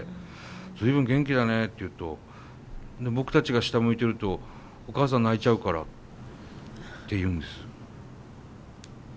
随分元気だねって言うと僕たちが下向いてるとお母さん泣いちゃうからって言うんです。